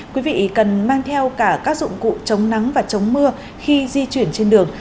quý vị cần mang theo cả các dụng cụ chống nắng và chống mưa khi di chuyển trên đường